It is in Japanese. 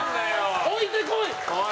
置いてこい。